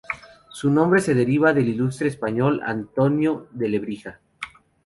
Su nombre se deriva del ilustre español Antonio de Lebrija.